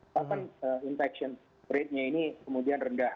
bahkan infection ratenya ini kemudian rendah